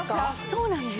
そうなんです。